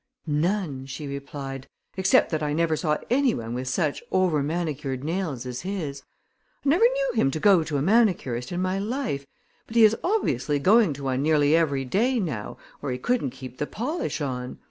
"None," she replied, "except that I never saw any one with such overmanicured nails as his. I never knew him to go to a manicurist in my life, but he is obviously going to one nearly every day now or he couldn't keep the polish on.